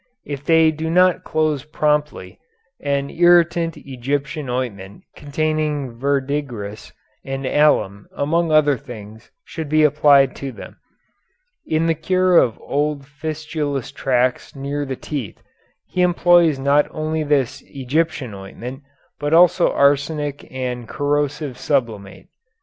If they do not close promptly, an irritant Egyptian ointment containing verdigris and alum among other things should be applied to them. In the cure of old fistulous tracts near the teeth he employs not only this Egyptian ointment but also arsenic and corrosive sublimate.